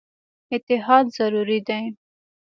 اتحاد ضروري دی.